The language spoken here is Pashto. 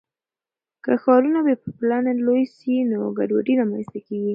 که ښارونه بې پلانه لوی سي نو ګډوډي رامنځته کیږي.